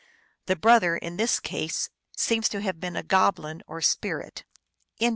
The brother in this case seems to have been a goblin or spirit. THE PARTRIDGE.